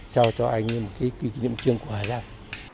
trao cho anh một cái kỷ niệm trương của hà giang